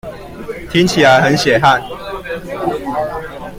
聽起來很血汗